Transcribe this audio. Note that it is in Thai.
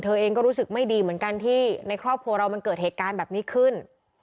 เธอเองก็รู้สึกไม่ดีเหมือนกันที่ในครอบครัวเรามันเกิดเหตุการณ์แบบนี้ขึ้น